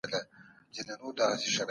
صحرايي ژوند تر ښاري ژوند سخت دی.